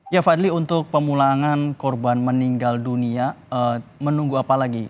ya fadli untuk pemulangan korban meninggal dunia menunggu apa lagi